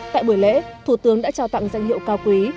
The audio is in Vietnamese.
tại buổi lễ thủ tướng đã trao tặng danh hiệu cao quý